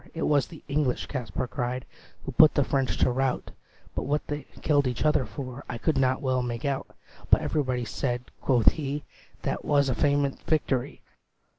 "It was the English," Kaspar cried, "Who put the French to rout; But what they killed each other for I could not well make out. But everybody said," quoth he, "That 't was a famous victory.